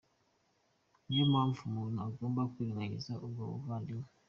Ni yo mpamvu umuntu atagomba kwirengagiza ubwo buvandimwe.